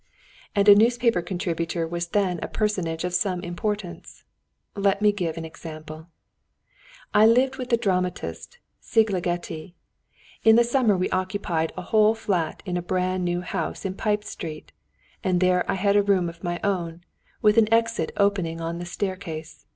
And a newspaper contributor was then a personage of some importance. Let me give an example: I lived with the dramatist, Szigligeti. In the summer we occupied a whole flat in a brand new house in Pipe Street, and there I had a room of my own, with an exit opening on the staircase.